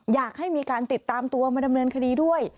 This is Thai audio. อยากให้มีการติดตามตัวมาดำเนินคดีด้วย